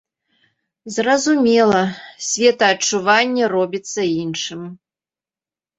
Зразумела, светаадчуванне робіцца іншым.